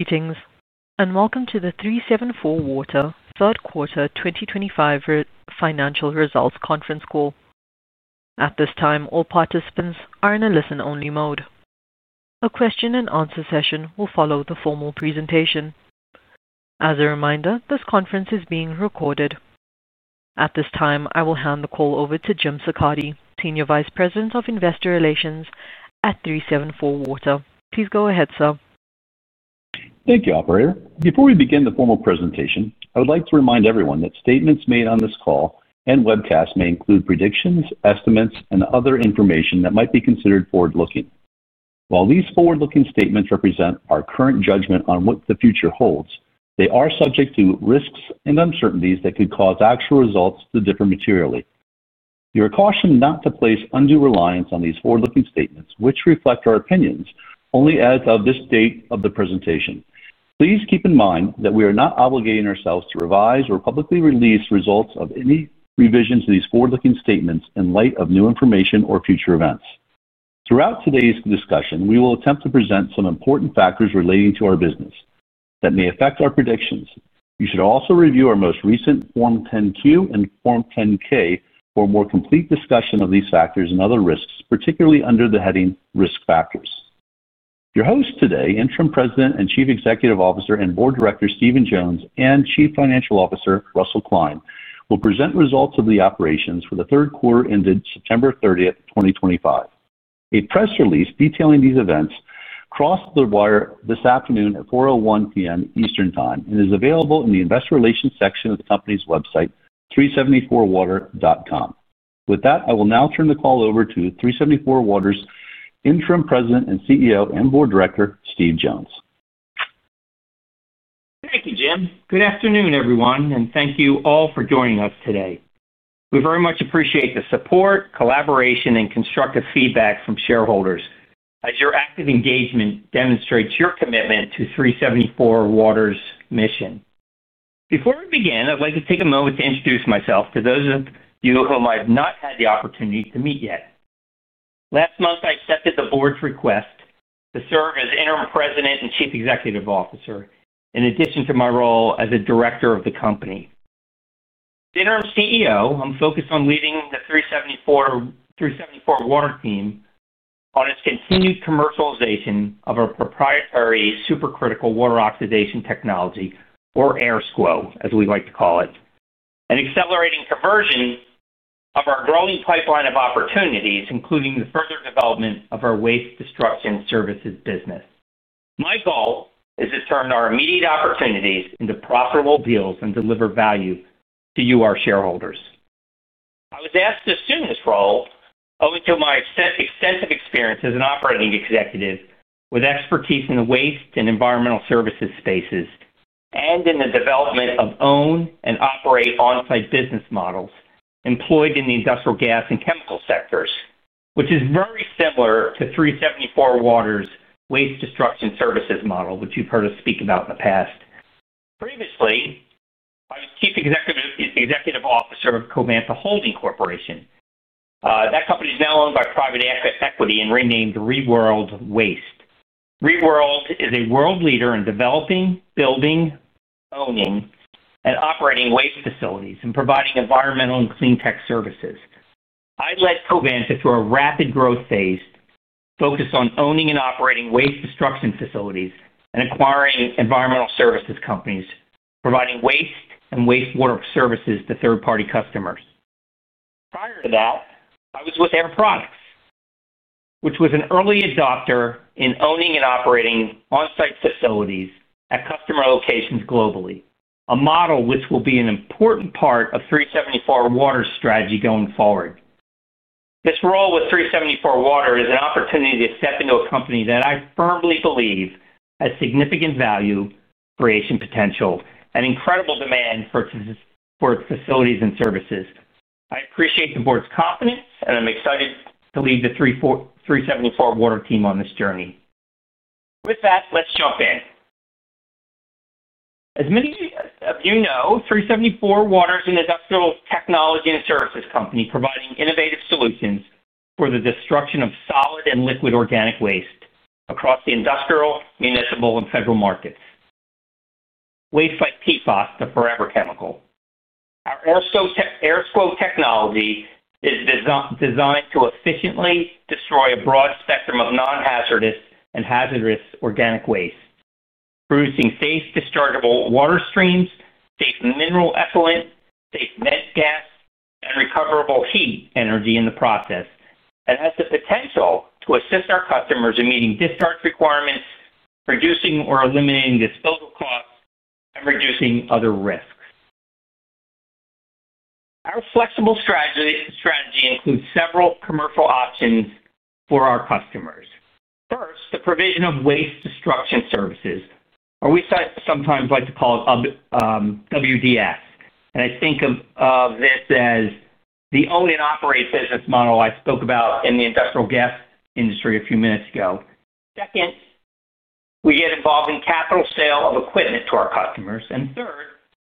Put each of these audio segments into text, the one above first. Greetings, and welcome to the 374Water Q3 2025 Financial Results Conference Call. At this time, all participants are in a listen-only mode. A question-and-answer session will follow the formal presentation. As a reminder, this conference is being recorded. At this time, I will hand the call over to Jim Siccardi, Senior Vice President of Investor Relations at 374Water. Please go ahead, sir. Thank you, Operator. Before we begin the formal presentation, I would like to remind everyone that statements made on this call and webcast may include predictions, estimates, and other information that might be considered forward-looking. While these forward-looking statements represent our current judgment on what the future holds, they are subject to risks and uncertainties that could cause actual results to differ materially. We are cautioned not to place undue reliance on these forward-looking statements, which reflect our opinions only as of this date of the presentation. Please keep in mind that we are not obligating ourselves to revise or publicly release results of any revisions to these forward-looking statements in light of new information or future events. Throughout today's discussion, we will attempt to present some important factors relating to our business that may affect our predictions. You should also review our most recent Form 10Q and Form 10K for a more complete discussion of these factors and other risks, particularly under the heading Risk Factors. Your hosts today, Interim President and Chief Executive Officer and Board Director Stephen Jones and Chief Financial Officer Russell Kline, will present results of the operations for the third quarter ended September 30, 2025. A press release detailing these events crossed the wire this afternoon at 4:01 P.M. Eastern Time and is available in the Investor Relations section of the company's website, 374Water.com. With that, I will now turn the call over to 374Water's Interim President and CEO and Board Director, Stephen Jones. Thank you, Jim. Good afternoon, everyone, and thank you all for joining us today. We very much appreciate the support, collaboration, and constructive feedback from shareholders, as your active engagement demonstrates your commitment to 374Water's mission. Before we begin, I'd like to take a moment to introduce myself to those of you whom I have not had the opportunity to meet yet. Last month, I accepted the board's request to serve as Interim President and Chief Executive Officer, in addition to my role as a Director of the company. As Interim CEO, I'm focused on leading the 374Water team on its continued commercialization of our proprietary supercritical water oxidation technology, or AirSCWO, as we like to call it, and accelerating conversion of our growing pipeline of opportunities, including the further development of our waste destruction services business. My goal is to turn our immediate opportunities into profitable deals and deliver value to you, our shareholders. I was asked to assume this role owing to my extensive experience as an operating executive, with expertise in the waste and environmental services spaces, and in the development of own and operate on-site business models employed in the industrial gas and chemical sectors, which is very similar to 374Water's waste destruction services model, which you've heard us speak about in the past. Previously, I was Chief Executive Officer of Comanca Holding Corporation. That company is now owned by private equity and renamed ReWorld Waste. ReWorld is a world leader in developing, building, owning, and operating waste facilities, and providing environmental and clean tech services. I led Comanca through a rapid growth phase focused on owning and operating waste destruction facilities and acquiring environmental services companies, providing waste and wastewater services to third-party customers. Prior to that, I was with Air Products, which was an early adopter in owning and operating on-site facilities at customer locations globally, a model which will be an important part of 374Water's strategy going forward. This role with 374Water is an opportunity to step into a company that I firmly believe has significant value, creation potential, and incredible demand for its facilities and services. I appreciate the board's confidence, and I'm excited to lead the 374Water team on this journey. With that, let's jump in. As many of you know, 374Water is an industrial technology and services company providing innovative solutions for the destruction of solid and liquid organic waste across the industrial, municipal, and federal markets. Waste by PFAS, the forever chemical. Our AirSCWO technology is designed to efficiently destroy a broad spectrum of non-hazardous and hazardous organic waste, producing safe dischargeable water streams, safe mineral effluent, safe met gas, and recoverable heat energy in the process, and has the potential to assist our customers in meeting discharge requirements, reducing or eliminating disposal costs, and reducing other risks. Our flexible strategy includes several commercial options for our customers. First, the provision of waste destruction services, or we sometimes like to call it WDS. I think of this as the own and operate business model I spoke about in the industrial gas industry a few minutes ago. Second, we get involved in capital sale of equipment to our customers. Third,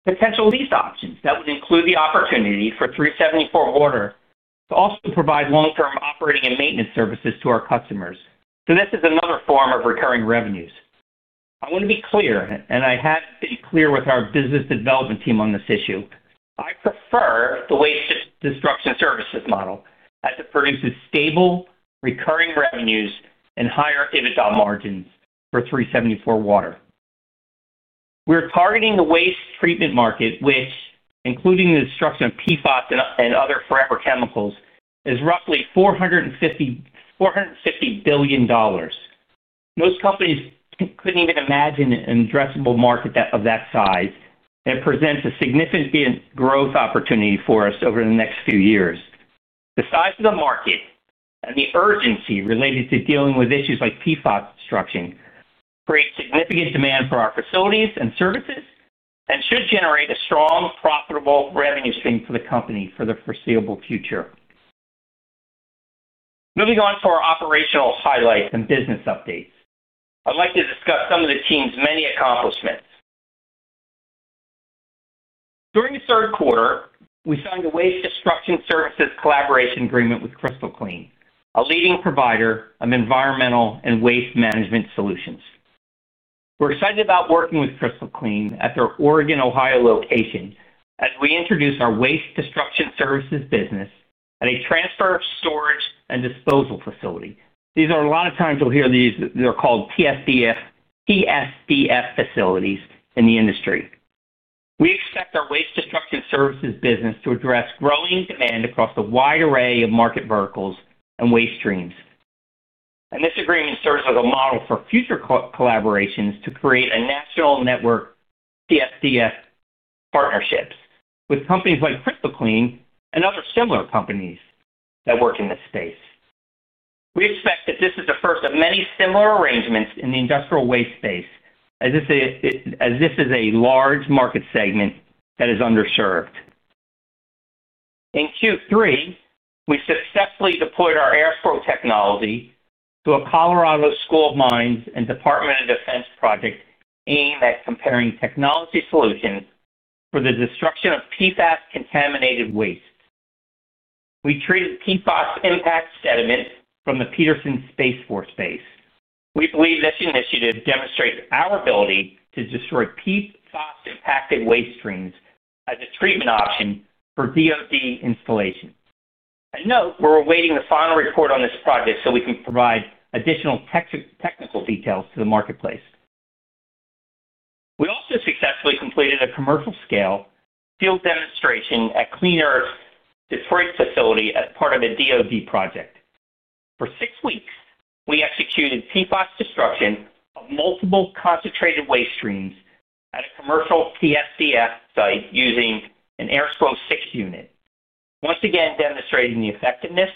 potential lease options that would include the opportunity for 374Water to also provide long-term operating and maintenance services to our customers. This is another form of recurring revenues. I want to be clear, and I have been clear with our business development team on this issue. I prefer the waste destruction services model as it produces stable, recurring revenues and higher EBITDA margins for 374Water. We're targeting the waste treatment market, which, including the destruction of PFAS and other forever chemicals, is roughly $450 billion. Most companies couldn't even imagine an addressable market of that size, and it presents a significant growth opportunity for us over the next few years. The size of the market and the urgency related to dealing with issues like PFAS destruction create significant demand for our facilities and services and should generate a strong, profitable revenue stream for the company for the foreseeable future. Moving on to our operational highlights and business updates, I'd like to discuss some of the team's many accomplishments. During the third quarter, we signed a waste destruction services collaboration agreement with Crystal Clean, a leading provider of environmental and waste management solutions. We're excited about working with Crystal Clean at their Oregon, Ohio location as we introduce our waste destruction services business at a transfer storage and disposal facility. These are a lot of times you'll hear these; they're called TSDF facilities in the industry. We expect our waste destruction services business to address growing demand across a wide array of market verticals and waste streams. This agreement serves as a model for future collaborations to create a national network of TSDF partnerships with companies like Crystal Clean and other similar companies that work in this space. We expect that this is the first of many similar arrangements in the industrial waste space, as this is a large market segment that is underserved. In Q3, we successfully deployed our AirSCWO technology to a Colorado School of Mines and Department of Defense project aimed at comparing technology solutions for the destruction of PFAS-contaminated waste. We treated PFAS-impacted sediment from the Peterson Space Force Base. We believe this initiative demonstrates our ability to destroy PFAS-impacted waste streams as a treatment option for DOD installation. We are awaiting the final report on this project so we can provide additional technical details to the marketplace. We also successfully completed a commercial-scale field demonstration at Clean Earth’s Detroit facility as part of a DOD project. For six weeks, we executed PFAS destruction of multiple concentrated waste streams at a commercial TSDF site using an AirSCWO-6 unit, once again demonstrating the effectiveness,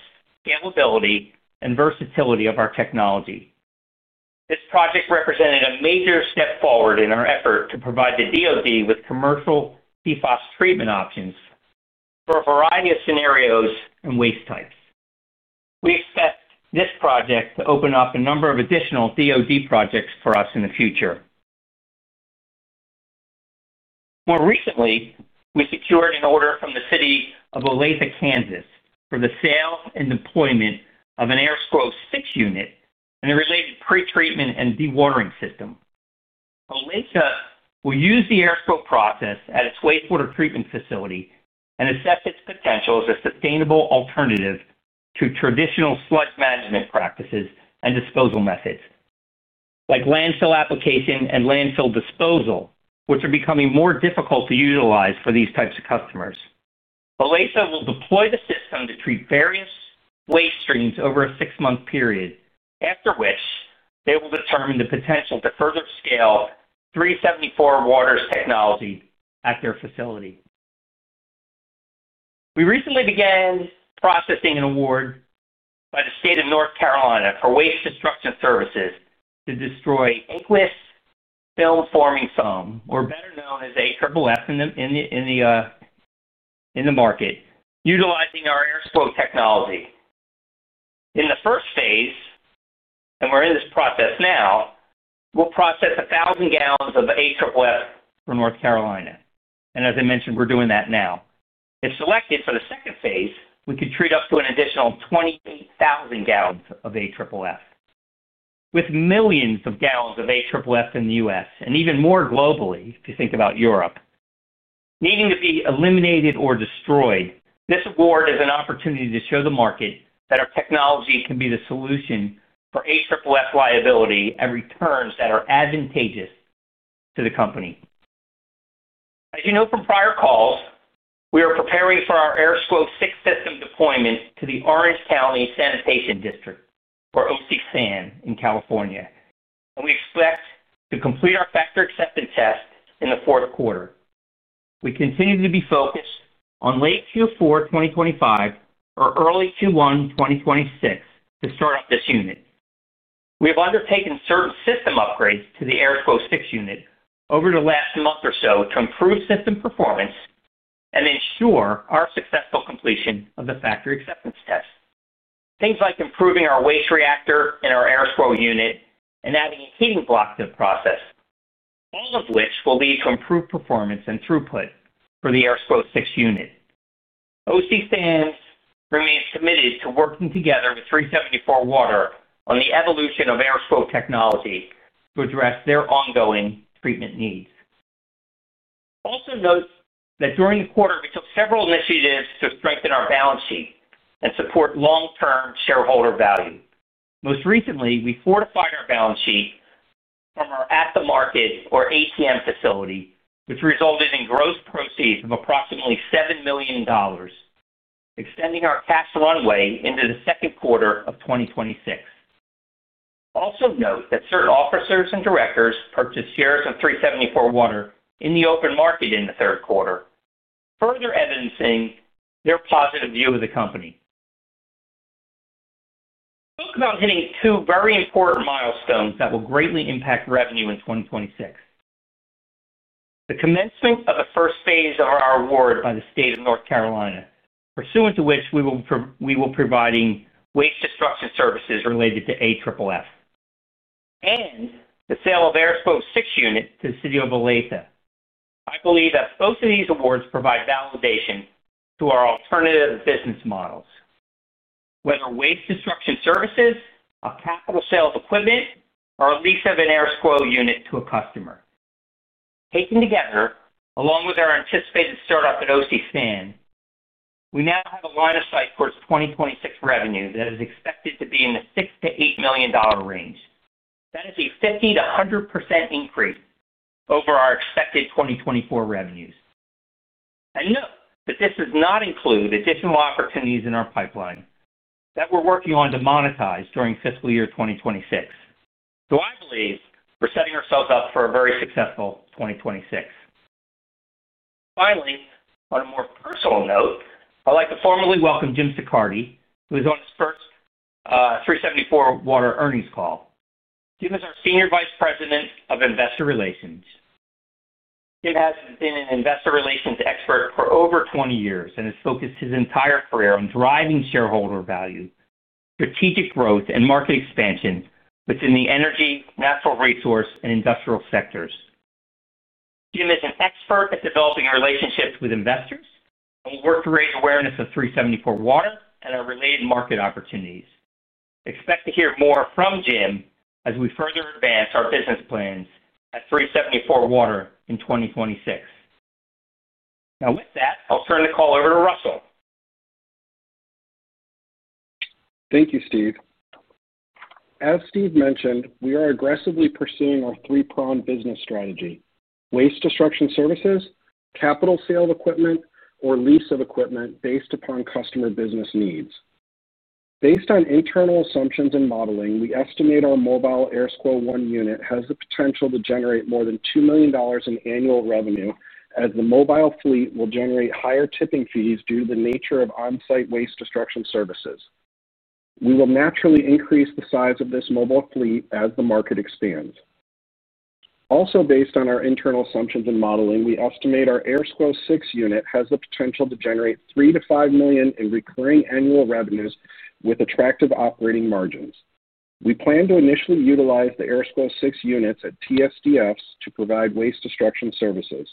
scalability, and versatility of our technology. This project represented a major step forward in our effort to provide the DOD with commercial PFAS treatment options for a variety of scenarios and waste types. We expect this project to open up a number of additional DOD projects for us in the future. More recently, we secured an order from the city of Olathe, Kansas, for the sale and deployment of an AirSCWO-6 unit and the related pre-treatment and dewatering system. Olathe will use the AirSCWO process at its wastewater treatment facility and assess its potential as a sustainable alternative to traditional sludge management practices and disposal methods, like landfill application and landfill disposal, which are becoming more difficult to utilize for these types of customers. Olathe will deploy the system to treat various waste streams over a six-month period, after which they will determine the potential to further scale 374Water's technology at their facility. We recently began processing an award by the state of North Carolina for waste destruction services to destroy Aqueous Film Forming Foam, or better known as AFFF, in the market, utilizing our AirSCWO technology. In the first phase, and we're in this process now, we'll process 1,000 gallons of AFFF for North Carolina. As I mentioned, we're doing that now. If selected for the second phase, we could treat up to an additional 28,000 gallons of AFFF, with millions of gallons of AFFF in the U.S. and even more globally, if you think about Europe, needing to be eliminated or destroyed. This award is an opportunity to show the market that our technology can be the solution for AFFF liability and returns that are advantageous to the company. As you know from prior calls, we are preparing for our AirSCWO-6 system deployment to the Orange County Sanitation District, or OC San, in California. We expect to complete our factory acceptance test in the fourth quarter. We continue to be focused on late Q4 2025 or early Q1 2026 to start up this unit. We have undertaken certain system upgrades to the AirSCWO-6 unit over the last month or so to improve system performance and ensure our successful completion of the factory acceptance test. Things like improving our waste reactor in our AirSCWO unit and adding a heating block to the process, all of which will lead to improved performance and throughput for the AirSCWO-6 unit. OC San remains committed to working together with 374Water on the evolution of AirSCWO technology to address their ongoing treatment needs. Also note that during the quarter, we took several initiatives to strengthen our balance sheet and support long-term shareholder value. Most recently, we fortified our balance sheet from our at-the-market, or ATM, facility, which resulted in gross proceeds of approximately $7 million, extending our cash runway into the second quarter of 2026. Also note that certain officers and directors purchased shares of 374Water in the open market in the third quarter, further evidencing their positive view of the company. We're talking about hitting two very important milestones that will greatly impact revenue in 2026: the commencement of the first phase of our award by the state of North Carolina, pursuant to which we will be providing waste destruction services related to AFFF, and the sale of AirSCWO-6 units to the city of Olathe. I believe that both of these awards provide validation to our alternative business models, whether waste destruction services, a capital sale of equipment, or a lease of an AirSCWO unit to a customer. Taken together, along with our anticipated startup at OC San, we now have a line of sight towards 2026 revenue that is expected to be in the $6-$8 million range. That is a 50%-100% increase over our expected 2024 revenues. Note that this does not include additional opportunities in our pipeline that we're working on to monetize during fiscal year 2026. I believe we're setting ourselves up for a very successful 2026. Finally, on a more personal note, I'd like to formally welcome Jim Siccardi, who is on his first 374Water earnings call. Jim is our Senior Vice President of Investor Relations. Jim has been an investor relations expert for over 20 years and has focused his entire career on driving shareholder value, strategic growth, and market expansion within the energy, natural resource, and industrial sectors. Jim is an expert at developing relationships with investors and will work to raise awareness of 374Water and our related market opportunities. Expect to hear more from Jim as we further advance our business plans at 374Water in 2026. Now, with that, I'll turn the call over to Russell. Thank you, Steve. As Steve mentioned, we are aggressively pursuing our three-pronged business strategy: waste destruction services, capital sale of equipment, or lease of equipment based upon customer business needs. Based on internal assumptions and modeling, we estimate our mobile AirSCWO-1 unit has the potential to generate more than $2 million in annual revenue, as the mobile fleet will generate higher tipping fees due to the nature of on-site waste destruction services. We will naturally increase the size of this mobile fleet as the market expands. Also, based on our internal assumptions and modeling, we estimate our AirSCWO-6 unit has the potential to generate $3-$5 million in recurring annual revenues with attractive operating margins. We plan to initially utilize the AirSCWO-6 units at TSDFs to provide waste destruction services.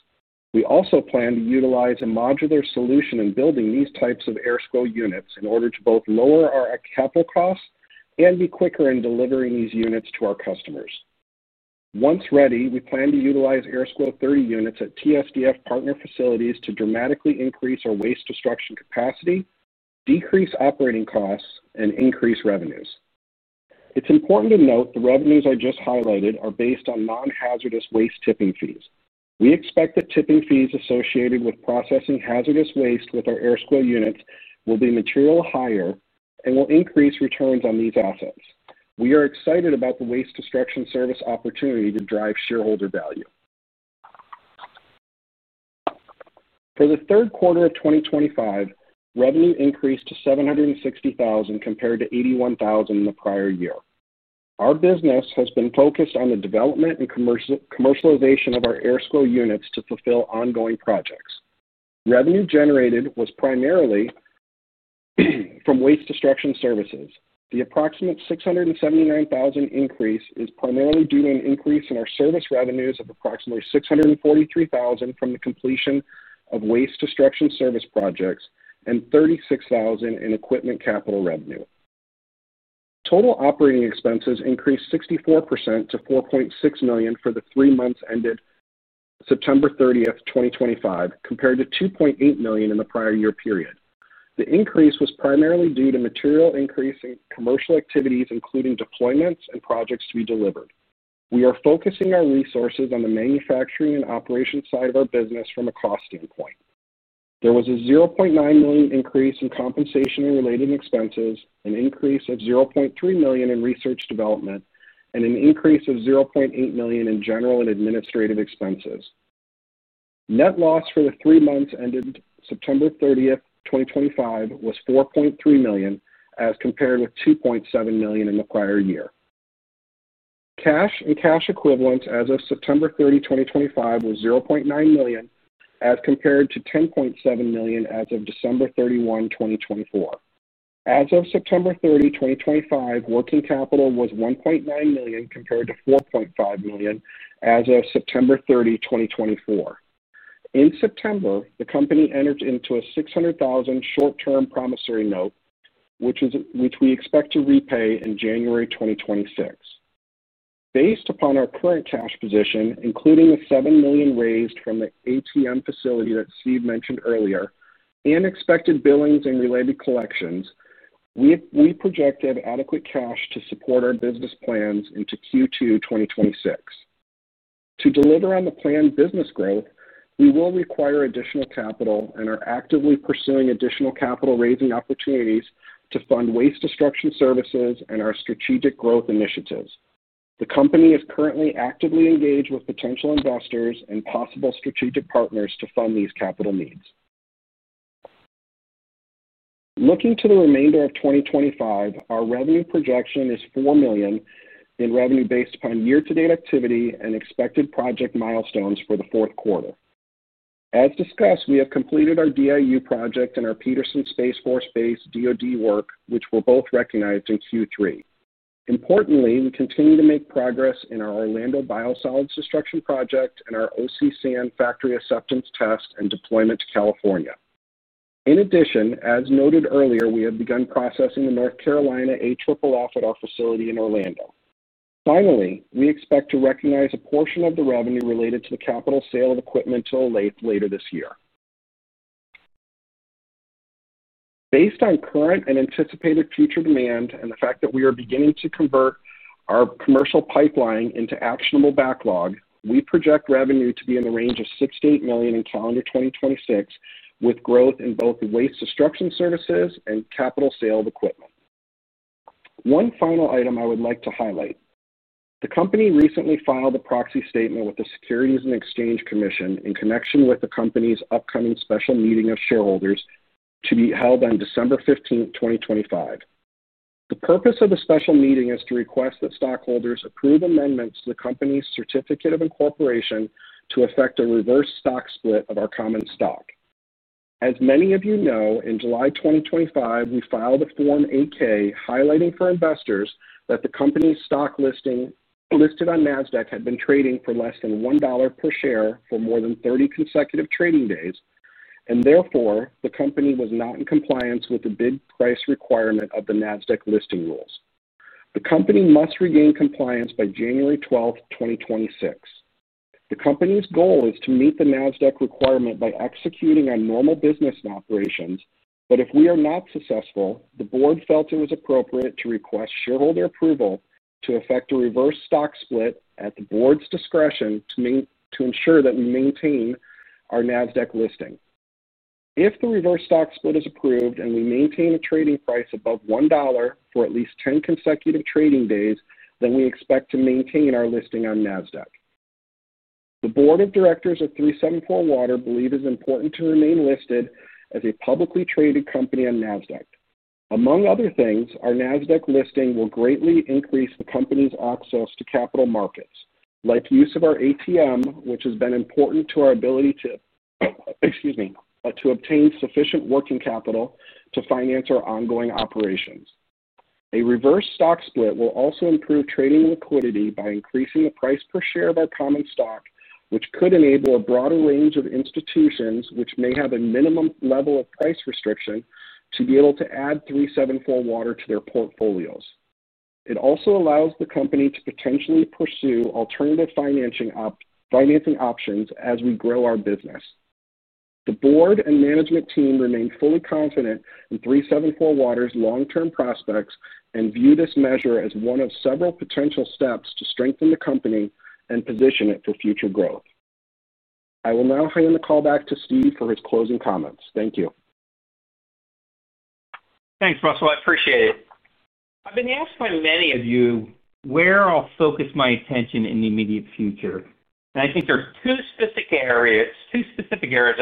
We also plan to utilize a modular solution in building these types of AirSCWO units in order to both lower our capital costs and be quicker in delivering these units to our customers. Once ready, we plan to utilize AirSCWO-30 units at TSDF partner facilities to dramatically increase our waste destruction capacity, decrease operating costs, and increase revenues. It's important to note the revenues I just highlighted are based on non-hazardous waste tipping fees. We expect that tipping fees associated with processing hazardous waste with our AirSCWO units will be materially higher and will increase returns on these assets. We are excited about the waste destruction service opportunity to drive shareholder value. For the third quarter of 2025, revenue increased to $760,000 compared to $81,000 in the prior year. Our business has been focused on the development and commercialization of our AirSCWO units to fulfill ongoing projects. Revenue generated was primarily from waste destruction services. The approximate $679,000 increase is primarily due to an increase in our service revenues of approximately $643,000 from the completion of waste destruction service projects and $36,000 in equipment capital revenue. Total operating expenses increased 64% to $4.6 million for the three months ended September 30, 2025, compared to $2.8 million in the prior year period. The increase was primarily due to material increase in commercial activities, including deployments and projects to be delivered. We are focusing our resources on the manufacturing and operations side of our business from a cost standpoint. There was a $0.9 million increase in compensation-related expenses, an increase of $0.3 million in research development, and an increase of $0.8 million in general and administrative expenses. Net loss for the three months ended September 30, 2025, was $4.3 million, as compared with $2.7 million in the prior year. Cash and cash equivalents as of September 30, 2025, were $0.9 million, as compared to $10.7 million as of December 31, 2024. As of September 30, 2025, working capital was $1.9 million compared to $4.5 million as of September 30, 2024. In September, the company entered into a $600,000 short-term promissory note, which we expect to repay in January 2026. Based upon our current cash position, including the $7 million raised from the ATM facility that Steve mentioned earlier, and expected billings and related collections, we project to have adequate cash to support our business plans into Q2 2026. To deliver on the planned business growth, we will require additional capital and are actively pursuing additional capital raising opportunities to fund waste destruction services and our strategic growth initiatives. The company is currently actively engaged with potential investors and possible strategic partners to fund these capital needs. Looking to the remainder of 2025, our revenue projection is $4 million in revenue based upon year-to-date activity and expected project milestones for the fourth quarter. As discussed, we have completed our DIU project and our Peterson Space Force Base DOD work, which were both recognized in Q3. Importantly, we continue to make progress in our Orlando biosolids destruction project and our OC San factory acceptance test and deployment to California. In addition, as noted earlier, we have begun processing the North Carolina AFFF at our facility in Orlando. Finally, we expect to recognize a portion of the revenue related to the capital sale of equipment to Olathe later this year. Based on current and anticipated future demand, and the fact that we are beginning to convert our commercial pipeline into actionable backlog, we project revenue to be in the range of $6-$8 million in calendar 2026, with growth in both waste destruction services and capital sale of equipment. One final item I would like to highlight: the company recently filed a proxy statement with the Securities and Exchange Commission in connection with the company's upcoming special meeting of shareholders to be held on December 15, 2025. The purpose of the special meeting is to request that stockholders approve amendments to the company's certificate of incorporation to affect a reverse stock split of our common stock. As many of you know, in July 2025, we filed a Form 8-K highlighting for investors that the company's stock listing listed on NASDAQ had been trading for less than $1 per share for more than 30 consecutive trading days, and therefore, the company was not in compliance with the bid price requirement of the NASDAQ listing rules. The company must regain compliance by January 12, 2026. The company's goal is to meet the NASDAQ requirement by executing on normal business operations, but if we are not successful, the board felt it was appropriate to request shareholder approval to effect a reverse stock split at the board's discretion to ensure that we maintain our NASDAQ listing. If the reverse stock split is approved and we maintain a trading price above $1 for at least 10 consecutive trading days, then we expect to maintain our listing on NASDAQ. The board of directors of 374Water believe it is important to remain listed as a publicly traded company on NASDAQ. Among other things, our NASDAQ listing will greatly increase the company's access to capital markets, like use of our ATM, which has been important to our ability to obtain sufficient working capital to finance our ongoing operations. A reverse stock split will also improve trading liquidity by increasing the price per share of our common stock, which could enable a broader range of institutions which may have a minimum level of price restriction to be able to add 374Water to their portfolios. It also allows the company to potentially pursue alternative financing options as we grow our business. The board and management team remain fully confident in 374Water's long-term prospects and view this measure as one of several potential steps to strengthen the company and position it for future growth. I will now hand the call back to Steve for his closing comments. Thank you. Thanks, Russell. I appreciate it. I've been asked by many of you where I'll focus my attention in the immediate future. I think there are two specific areas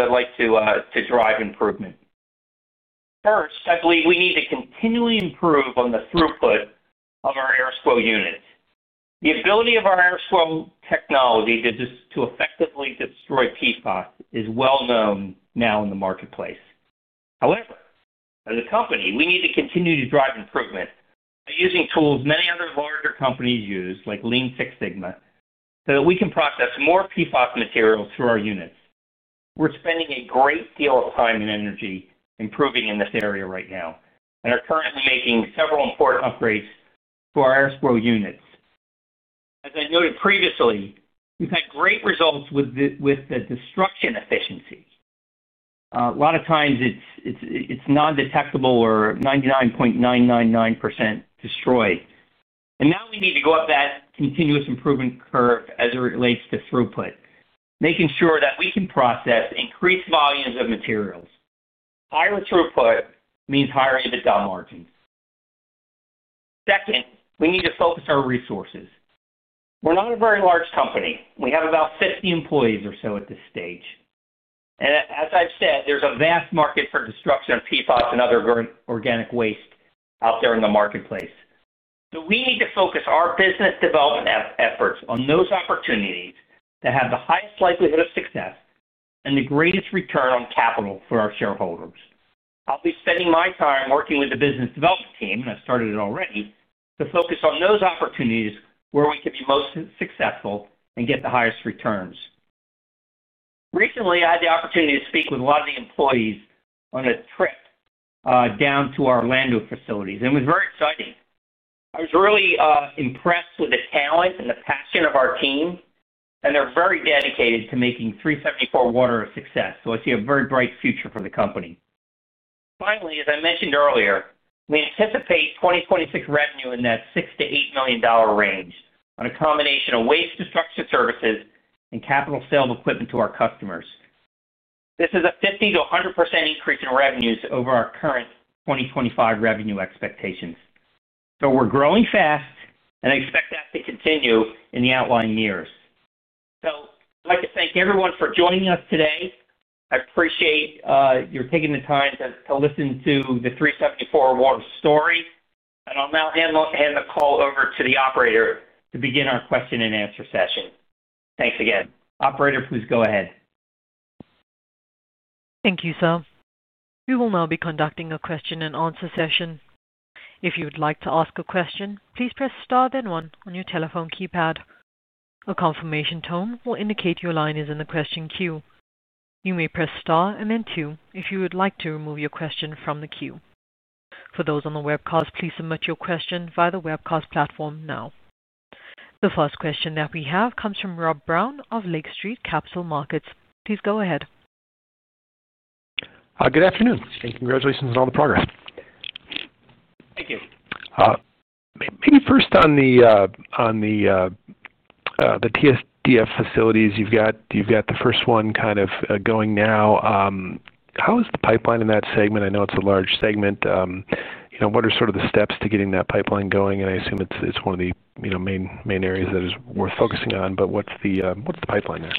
I'd like to drive improvement. First, I believe we need to continually improve on the throughput of our AirSCWO units. The ability of our AirSCWO technology to effectively destroy PFAS is well known now in the marketplace. However, as a company, we need to continue to drive improvement by using tools many other larger companies use, like Lean Six Sigma, so that we can process more PFAS materials through our units. We're spending a great deal of time and energy improving in this area right now and are currently making several important upgrades to our AirSCWO units. As I noted previously, we've had great results with the destruction efficiency. A lot of times, it's non-detectable or 99.999% destroyed. We need to go up that continuous improvement curve as it relates to throughput, making sure that we can process increased volumes of materials. Higher throughput means higher EBITDA margins. Second, we need to focus our resources. We're not a very large company. We have about 50 employees or so at this stage. As I've said, there's a vast market for destruction of PFAS and other organic waste out there in the marketplace. We need to focus our business development efforts on those opportunities that have the highest likelihood of success and the greatest return on capital for our shareholders. I'll be spending my time working with the business development team, and I've started it already, to focus on those opportunities where we can be most successful and get the highest returns. Recently, I had the opportunity to speak with a lot of the employees on a trip down to our Orlando facilities, and it was very exciting. I was really impressed with the talent and the passion of our team, and they're very dedicated to making 374Water a success. I see a very bright future for the company. Finally, as I mentioned earlier, we anticipate 2026 revenue in that $6 million-$8 million range on a combination of waste destruction services and capital sale of equipment to our customers. This is a 50%-100% increase in revenues over our current 2025 revenue expectations. We're growing fast, and I expect that to continue in the outlying years. I'd like to thank everyone for joining us today. I appreciate your taking the time to listen to the 374Water story. I'll now hand the call over to the operator to begin our question-and-answer session. Thanks again. Operator, please go ahead. Thank you, sir. We will now be conducting a question-and-answer session. If you would like to ask a question, please press Star then 1 on your telephone keypad. A confirmation tone will indicate your line is in the question queue. You may press Star and then 2 if you would like to remove your question from the queue. For those on the webcast, please submit your question via the webcast platform now. The first question that we have comes from Rob Brown of Lake Street Capital Markets. Please go ahead. Good afternoon. Congratulations on all the progress. Thank you. Maybe first on the TSDF facilities, you've got the first one kind of going now. How is the pipeline in that segment? I know it's a large segment. What are sort of the steps to getting that pipeline going? I assume it's one of the main areas that is worth focusing on, but what's the pipeline there?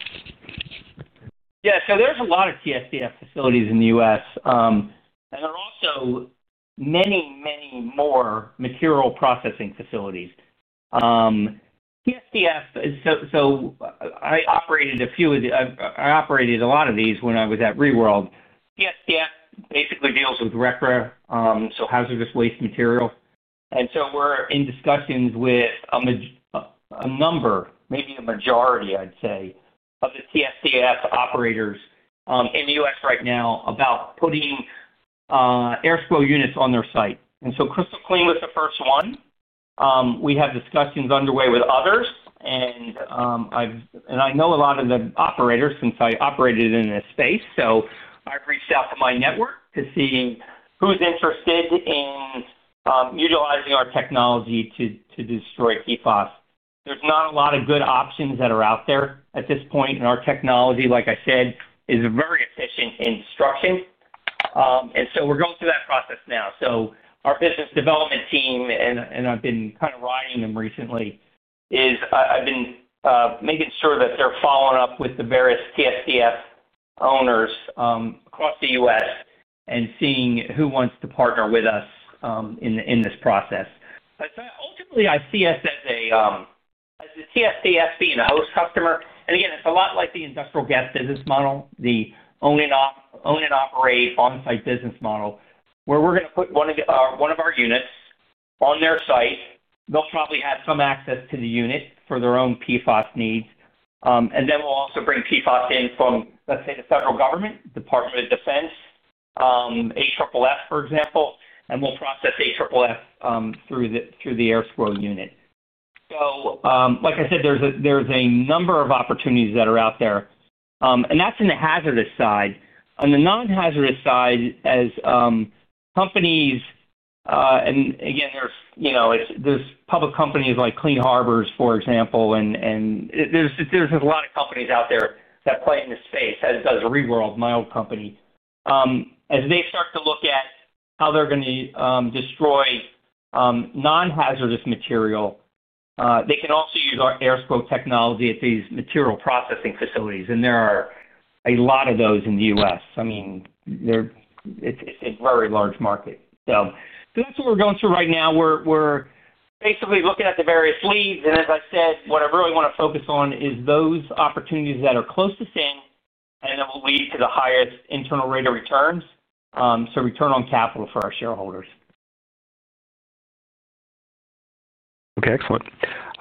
Yeah. There are a lot of TSDF facilities in the U.S., and there are also many, many more material processing facilities. I operated a few of the—I operated a lot of these when I was at ReWorld. TSDF basically deals with hazardous waste material. We are in discussions with a number, maybe a majority, I'd say, of the TSDF operators in the U.S. right now about putting AirSCWO units on their site. Crystal Clean was the first one. We have discussions underway with others. I know a lot of the operators since I operated in this space, so I've reached out to my network to see who's interested in utilizing our technology to destroy PFAS. There are not a lot of good options that are out there at this point, and our technology, like I said, is very efficient in destruction. We're going through that process now. Our business development team, and I've been kind of riding them recently, is—I've been making sure that they're following up with the various TSDF owners across the U.S. and seeing who wants to partner with us in this process. Ultimately, I see us as the TSDF being a host customer. Again, it's a lot like the industrial gas business model, the own and operate on-site business model, where we're going to put one of our units on their site. They'll probably have some access to the unit for their own PFAS needs. We'll also bring PFAS in from, let's say, the federal government, Department of Defense, AFFF, for example, and we'll process AFFF through the AirSCWO unit. Like I said, there's a number of opportunities that are out there. That's in the hazardous side. On the non-hazardous side, as companies—and again, there's public companies like Clean Harbors, for example, and there's a lot of companies out there that play in this space, as does ReWorld, my old company. As they start to look at how they're going to destroy non-hazardous material, they can also use our AirSCWO technology at these material processing facilities, and there are a lot of those in the U.S. I mean, it's a very large market. That's what we're going through right now. We're basically looking at the various leads, and as I said, what I really want to focus on is those opportunities that are close to send, and that will lead to the highest internal rate of returns, so return on capital for our shareholders. Okay. Excellent.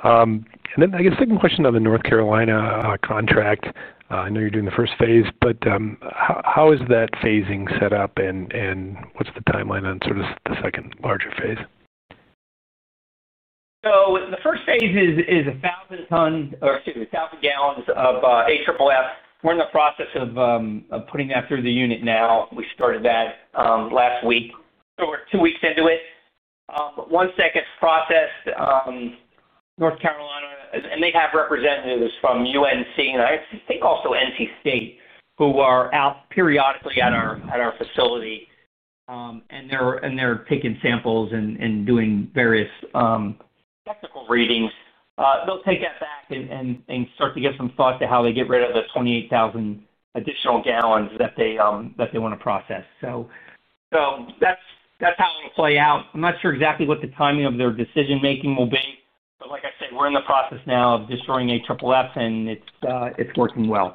I guess second question on the North Carolina contract. I know you're doing the first phase, but how is that phasing set up, and what's the timeline on sort of the second larger phase? The first phase is 1,000 gallons of AFFF. We're in the process of putting that through the unit now. We started that last week. We're two weeks into it. Once that gets processed, North Carolina. They have representatives from UNC, and I think also NC State, who are out periodically at our facility, and they're picking samples and doing various technical readings. They'll take that back and start to get some thought to how they get rid of the 28,000 additional gallons that they want to process. That's how it'll play out. I'm not sure exactly what the timing of their decision-making will be, but like I said, we're in the process now of destroying AFFF, and it's working well.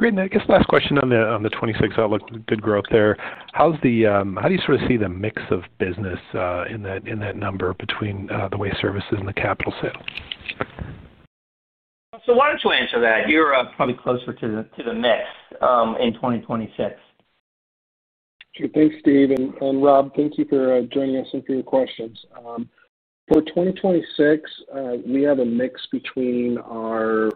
Great. I guess last question on the 26, it looked good growth there. How do you sort of see the mix of business in that number between the waste services and the capital sale? Why don't you answer that? You're probably closer to the mix in 2026. Thanks, Steve. Rob, thank you for joining us and for your questions. For 2026, we have a mix between our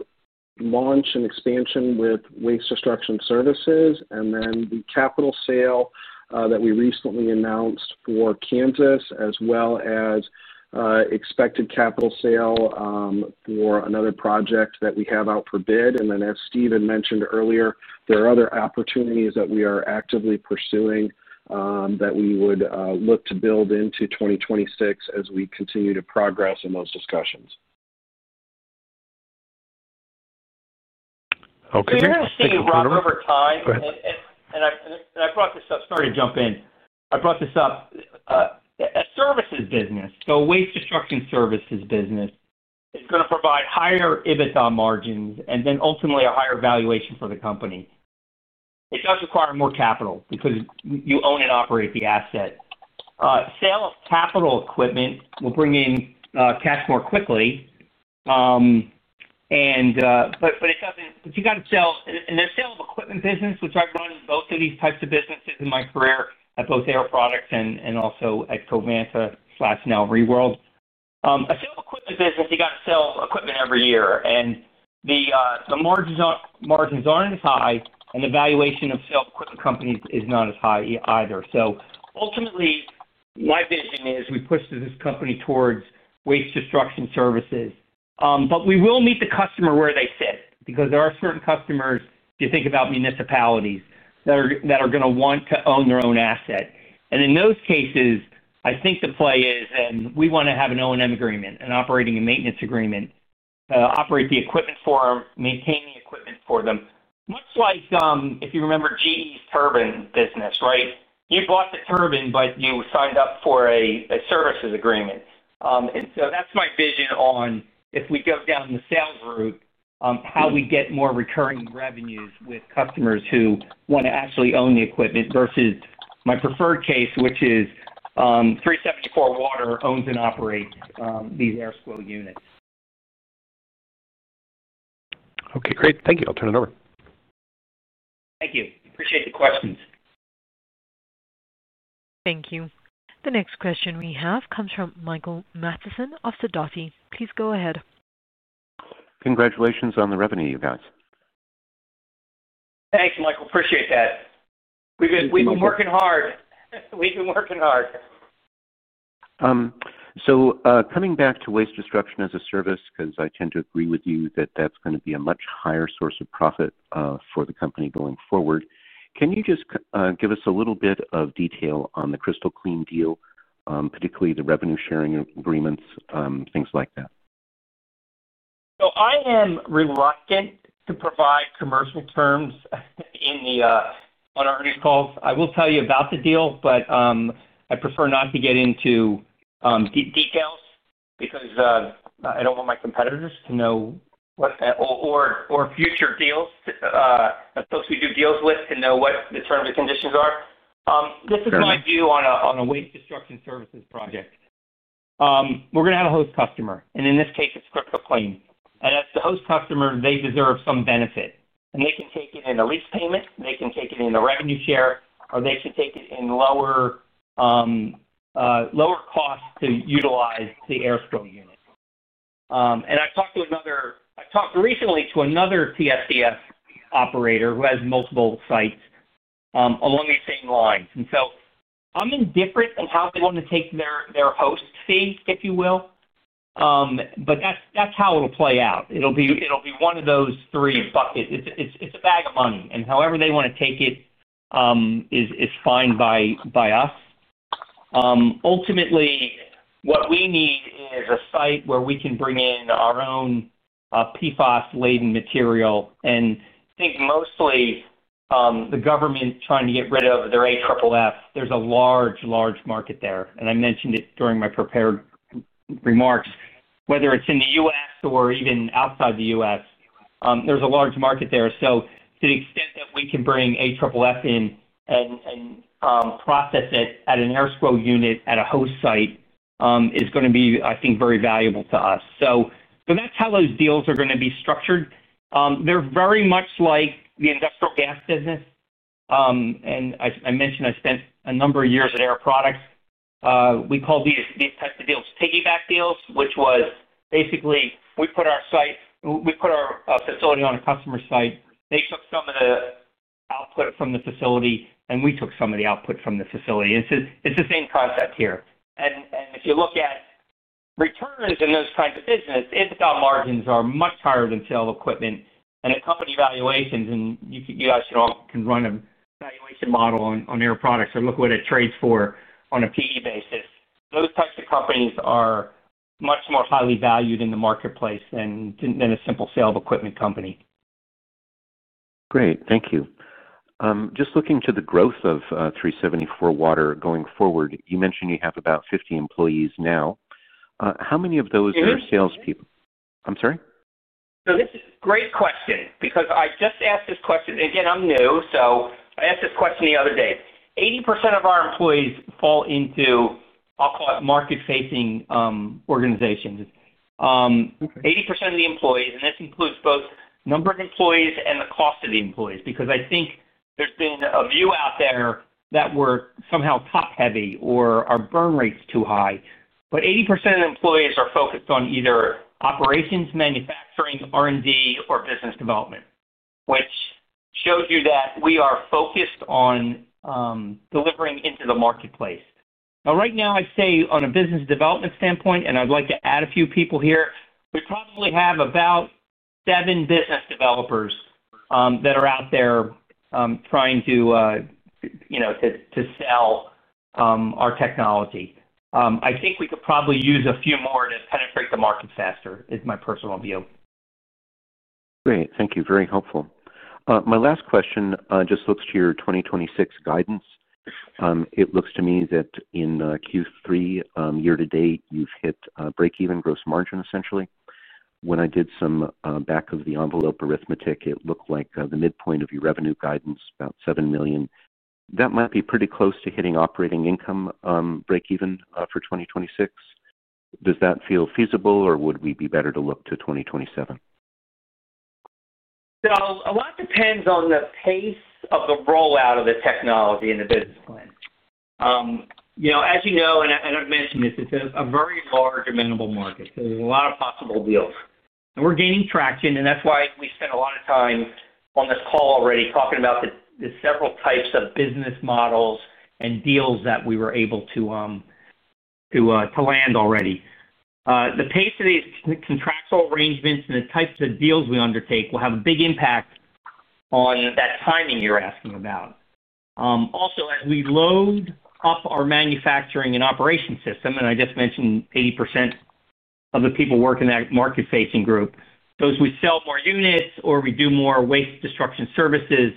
launch and expansion with waste destruction services and the capital sale that we recently announced for Kansas, as well as expected capital sale for another project that we have out for bid. As Steven mentioned earlier, there are other opportunities that we are actively pursuing that we would look to build into 2026 as we continue to progress in those discussions. Okay. I'm going to say, Rob, over time, and I brought this up—sorry to jump in. I brought this up. A services business, so a waste destruction services business, is going to provide higher EBITDA margins and then ultimately a higher valuation for the company. It does require more capital because you own and operate the asset. Sale of capital equipment will bring in cash more quickly, but you got to sell—and the sale of equipment business, which I've run both of these types of businesses in my career at both Air Products and also at Covanta/now ReWorld. A sale of equipment business, you got to sell equipment every year, and the margins aren't as high, and the valuation of sale of equipment companies is not as high either. Ultimately, my vision is we push this company towards waste destruction services, but we will meet the customer where they sit because there are certain customers, if you think about municipalities, that are going to want to own their own asset. In those cases, I think the play is, and we want to have an O&M agreement, an operating and maintenance agreement, operate the equipment for them, maintain the equipment for them, much like if you remember GE's turbine business, right? You bought the turbine, but you signed up for a services agreement. That is my vision on, if we go down the sales route, how we get more recurring revenues with customers who want to actually own the equipment versus my preferred case, which is 374Water owns and operates these AirSCWO units. Okay. Great. Thank you. I'll turn it over. Thank you. Appreciate the questions. Thank you. The next question we have comes from Michael Matheson of Sidoti. Please go ahead. Congratulations on the revenue you've got. Thanks, Michael. Appreciate that. We've been working hard. Coming back to waste destruction as a service, because I tend to agree with you that that's going to be a much higher source of profit for the company going forward, can you just give us a little bit of detail on the Crystal Clean deal, particularly the revenue-sharing agreements, things like that? I am reluctant to provide commercial terms in the. On our earnings calls. I will tell you about the deal, but I prefer not to get into details because I do not want my competitors to know or future deals, the folks we do deals with, to know what the terms and conditions are. This is my view on a waste destruction services project. We are going to have a host customer, and in this case, it is Crystal Clean. As the host customer, they deserve some benefit. They can take it in a lease payment, they can take it in a revenue share, or they can take it in lower costs to utilize the AirSCWO unit. I have talked to another—I have talked recently to another TSDF operator who has multiple sites along the same lines. I'm indifferent in how they want to take their host fee, if you will, but that's how it'll play out. It'll be one of those three buckets. It's a bag of money, and however they want to take it is fine by us. Ultimately, what we need is a site where we can bring in our own PFAS-laden material. I think mostly the government trying to get rid of their AFFF. There's a large, large market there. I mentioned it during my prepared remarks, whether it's in the U.S. or even outside the U.S., there's a large market there. To the extent that we can bring AFFF in and process it at an AirSCWO unit at a host site is going to be, I think, very valuable to us. That's how those deals are going to be structured. They're very much like the industrial gas business. I mentioned I spent a number of years at Air Products. We called these types of deals piggyback deals, which was basically we put our site—we put our facility on a customer's site. They took some of the output from the facility, and we took some of the output from the facility. It's the same concept here. If you look at returns in those kinds of business, EBITDA margins are much higher than sale of equipment and the company valuations. You guys can run a valuation model on Air Products or look what it trades for on a PE basis. Those types of companies are much more highly valued in the marketplace than a simple sale of equipment company. Great. Thank you. Just looking to the growth of 374Water going forward, you mentioned you have about 50 employees now. How many of those are salespeople? I'm sorry? This is a great question because I just asked this question. Again, I'm new, so I asked this question the other day. 80% of our employees fall into, I'll call it, market-facing organizations. 80% of the employees, and this includes both number of employees and the cost of the employees because I think there's been a view out there that we're somehow top-heavy or our burn rate's too high. 80% of the employees are focused on either operations, manufacturing, R&D, or business development, which shows you that we are focused on delivering into the marketplace. Right now, I'd say on a business development standpoint, and I'd like to add a few people here, we probably have about seven business developers that are out there trying to sell our technology. I think we could probably use a few more to penetrate the market faster, is my personal view. Great. Thank you. Very helpful. My last question just looks to your 2026 guidance. It looks to me that in Q3 year-to-date, you've hit break-even gross margin, essentially. When I did some back-of-the-envelope arithmetic, it looked like the midpoint of your revenue guidance, about $7 million. That might be pretty close to hitting operating income break-even for 2026. Does that feel feasible, or would we be better to look to 2027? A lot depends on the pace of the rollout of the technology and the business plan. As you know, and I've mentioned this, it's a very large amenable market. There's a lot of possible deals. We're gaining traction, and that's why we spent a lot of time on this call already talking about the several types of business models and deals that we were able to land already. The pace of these contractual arrangements and the types of deals we undertake will have a big impact on that timing you're asking about. Also, as we load up our manufacturing and operation system, and I just mentioned 80% of the people work in that market-facing group, as we sell more units or we do more waste destruction services,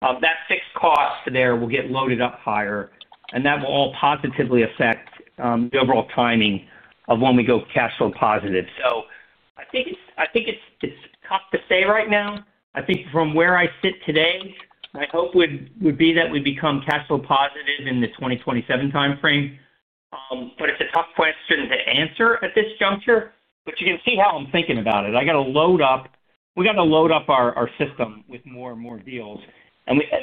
that fixed cost there will get loaded up higher, and that will all positively affect the overall timing of when we go cash flow positive. I think it's tough to say right now. I think from where I sit today, my hope would be that we become cash flow positive in the 2027 timeframe, but it's a tough question to answer at this juncture. You can see how I'm thinking about it. I got to load up—we got to load up our system with more and more deals.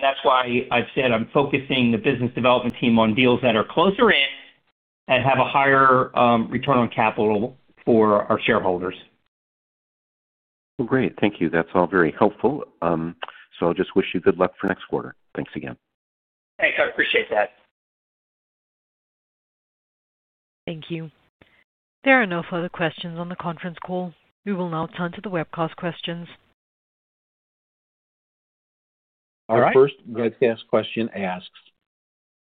That's why I've said I'm focusing the business development team on deals that are closer in and have a higher return on capital for our shareholders. Great. Thank you. That's all very helpful. I'll just wish you good luck for next quarter. Thanks again. Thanks. I appreciate that. Thank you. There are no further questions on the conference call. We will now turn to the webcast questions. All right. First webcast question asks,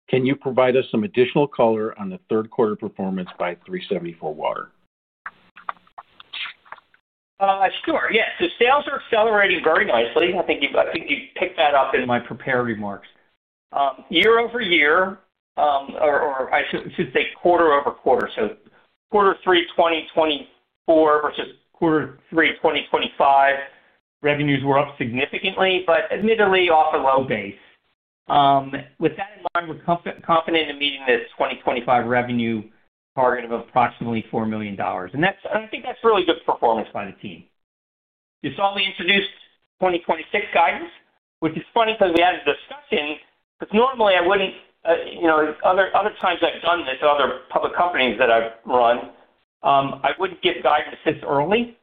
"Can you provide us some additional color on the third-quarter performance by 374Water? Sure. Yes. Sales are accelerating very nicely. I think you picked that up in my prepared remarks. Year over year, or I should say quarter over quarter. Quarter three 2024 versus quarter three 2025, revenues were up significantly, but admittedly off a low base. With that in mind, we're confident in meeting the 2025 revenue target of approximately $4 million. I think that's really good performance by the team. You saw we introduced 2026 guidance, which is funny because we had a discussion, because normally I wouldn't—other times I've done this at other public companies that I've run, I wouldn't give guidance this early.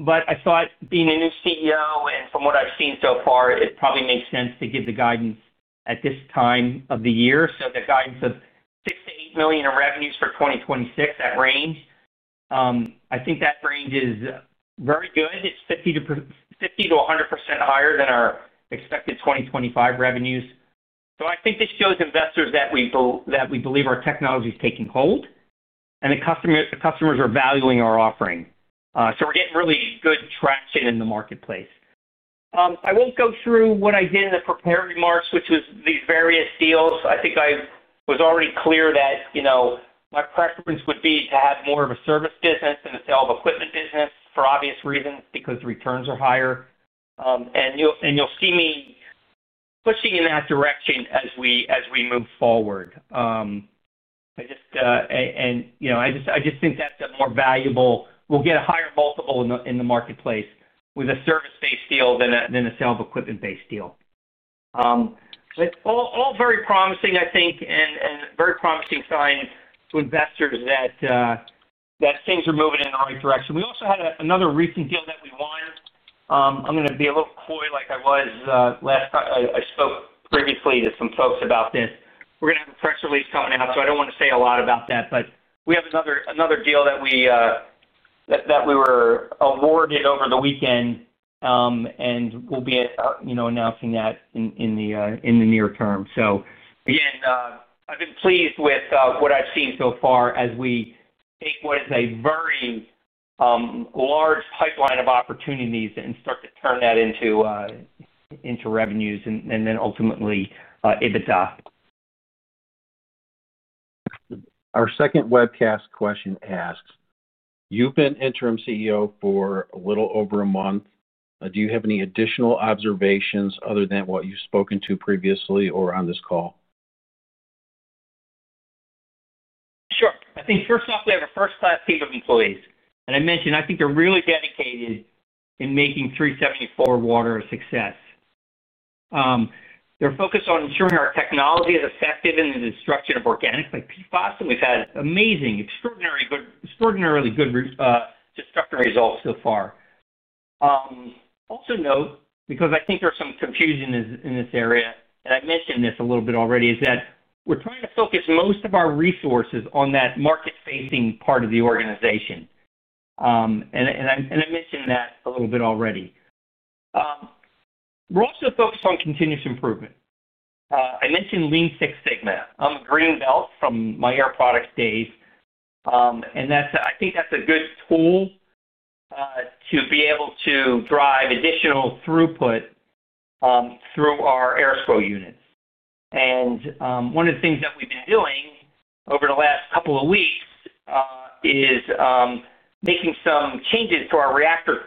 I thought, being a new CEO and from what I've seen so far, it probably makes sense to give the guidance at this time of the year. The guidance of $6 million-$8 million in revenues for 2026, that range, I think that range is very good. It's 50%-100% higher than our expected 2025 revenues. I think this shows investors that we believe our technology is taking hold and the customers are valuing our offering. We're getting really good traction in the marketplace. I won't go through what I did in the prepared remarks, which was these various deals. I think I was already clear that my preference would be to have more of a service business than a sale of equipment business for obvious reasons because returns are higher. You'll see me pushing in that direction as we move forward. I just think that's a more valuable—we'll get a higher multiple in the marketplace with a service-based deal than a sale of equipment-based deal. All very promising, I think, and very promising signs to investors that things are moving in the right direction. We also had another recent deal that we won. I'm going to be a little coy like I was last time. I spoke previously to some folks about this. We're going to have a press release coming out, so I don't want to say a lot about that. We have another deal that we were awarded over the weekend, and we'll be announcing that in the near term. Again, I've been pleased with what I've seen so far as we take what is a very large pipeline of opportunities and start to turn that into revenues and then ultimately EBITDA. Our second webcast question asks, "You've been interim CEO for a little over a month. Do you have any additional observations other than what you've spoken to previously or on this call? Sure. I think first off, we have a first-class team of employees. I mentioned I think they're really dedicated in making 374Water a success. They're focused on ensuring our technology is effective in the destruction of organics like PFAS, and we've had amazing, extraordinarily good destruction results so far. Also note, because I think there's some confusion in this area, and I mentioned this a little bit already, we're trying to focus most of our resources on that market-facing part of the organization. I mentioned that a little bit already. We're also focused on continuous improvement. I mentioned Lean Six Sigma. I'm a Greenbelt from my Air Products days. I think that's a good tool to be able to drive additional throughput through our AirSCWO units. One of the things that we've been doing over the last couple of weeks is making some changes to our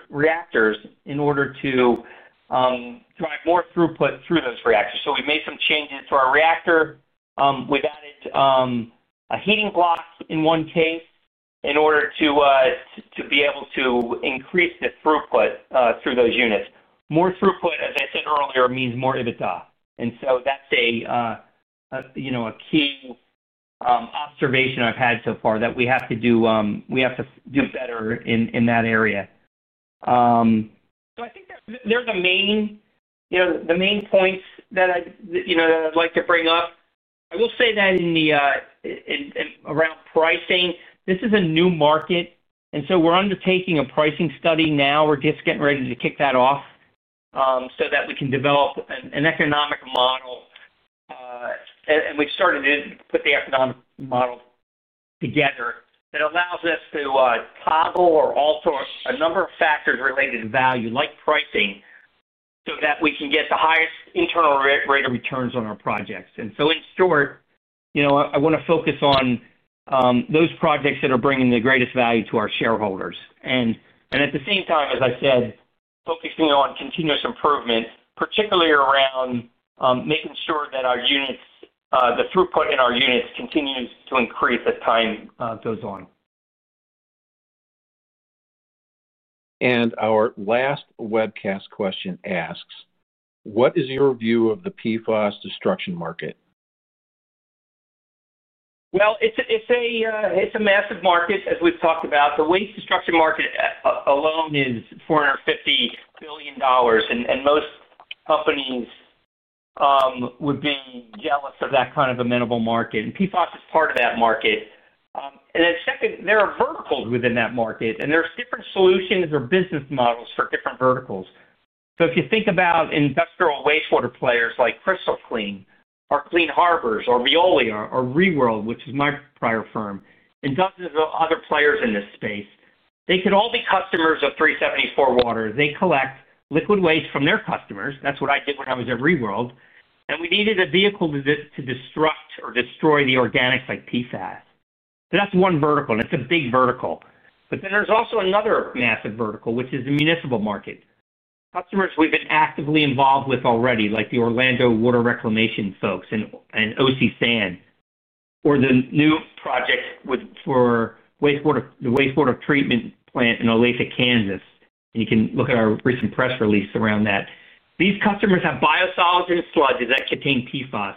reactors in order to drive more throughput through those reactors. We've made some changes to our reactor. We've added a heating block in one case in order to be able to increase the throughput through those units. More throughput, as I said earlier, means more EBITDA. That's a key observation I've had so far that we have to do—we have to do better in that area. I think they're the main points that I'd like to bring up. I will say that around pricing, this is a new market, and we're undertaking a pricing study now. We're just getting ready to kick that off so that we can develop an economic model. We've started to put the economic model together that allows us to toggle or alter a number of factors related to value, like pricing, so that we can get the highest internal rate of returns on our projects. In short, I want to focus on those projects that are bringing the greatest value to our shareholders. At the same time, as I said, focusing on continuous improvement, particularly around making sure that the throughput in our units continues to increase as time goes on. Our last webcast question asks, "What is your view of the PFAS destruction market? It is a massive market, as we have talked about. The waste destruction market alone is $450 billion, and most companies would be jealous of that kind of amenable market. PFAS is part of that market. There are verticals within that market, and there are different solutions or business models for different verticals. If you think about industrial wastewater players like Crystal Clean or Clean Harbors or Veolia or ReWorld, which is my prior firm, and dozens of other players in this space, they could all be customers of 374Water. They collect liquid waste from their customers. That is what I did when I was at ReWorld. We needed a vehicle to destruct or destroy the organics like PFAS. That is one vertical, and it is a big vertical. There is also another massive vertical, which is the municipal market. Customers we've been actively involved with already, like the Orlando Water Reclamation folks and OC San, or the new project for the wastewater treatment plant in Olathe, Kansas. You can look at our recent press release around that. These customers have biosolids and sludges that contain PFAS,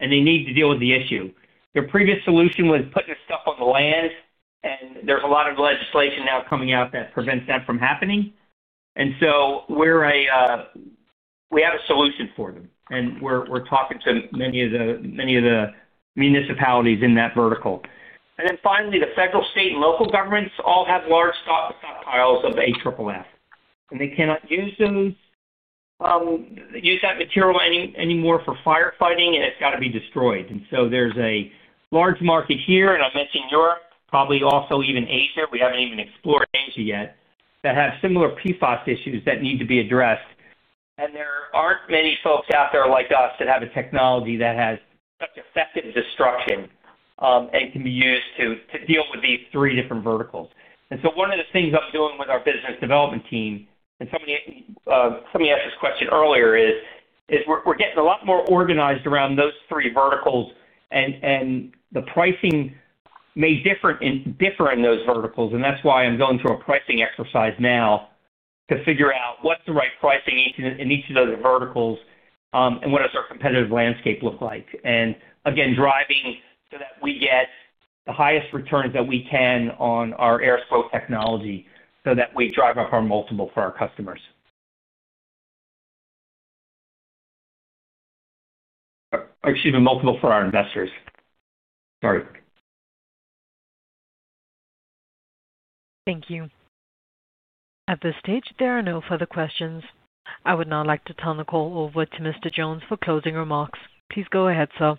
and they need to deal with the issue. Their previous solution was putting stuff on the land, and there's a lot of legislation now coming out that prevents that from happening. We have a solution for them, and we're talking to many of the municipalities in that vertical. Finally, the federal, state, and local governments all have large stockpiles of AFFF. They cannot use that material anymore for firefighting, and it's got to be destroyed. There's a large market here, and I'm mentioning Europe, probably also even Asia. We have not even explored Asia yet, that have similar PFAS issues that need to be addressed. There are not many folks out there like us that have a technology that has such effective destruction and can be used to deal with these three different verticals. One of the things I am doing with our business development team, and somebody asked this question earlier, is we are getting a lot more organized around those three verticals, and the pricing may differ in those verticals. That is why I am going through a pricing exercise now to figure out what is the right pricing in each of those verticals and what does our competitive landscape look like. Again, driving so that we get the highest returns that we can on our AirSCWO technology so that we drive up our multiple for our customers. Excuse me, multiple for our investors. Sorry. Thank you. At this stage, there are no further questions. I would now like to turn the call over to Mr. Jones for closing remarks. Please go ahead, sir.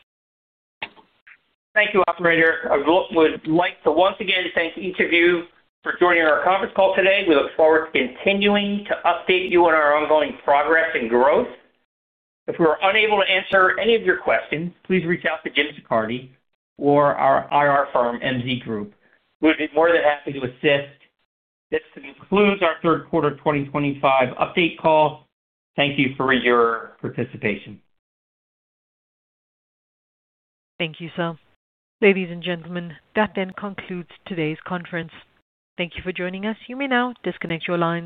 Thank you, Operator. I would like to once again thank each of you for joining our conference call today. We look forward to continuing to update you on our ongoing progress and growth. If we were unable to answer any of your questions, please reach out to Jim Siccardi or our IR firm, MZ Group. We would be more than happy to assist. This concludes our Third Quarter 2025 Update Call. Thank you for your participation. Thank you, sir. Ladies and gentlemen, that then concludes today's conference. Thank you for joining us. You may now disconnect your lines.